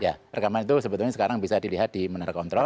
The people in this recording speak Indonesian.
ya rekaman itu sebetulnya sekarang bisa dilihat di menara kontrol